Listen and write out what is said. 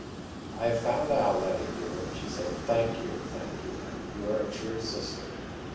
"I have found out, Letty, dear," she said. "Thank you, thank you, Letty! You are a true sister."